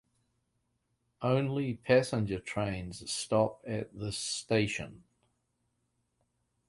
Only passenger trains stop at this station.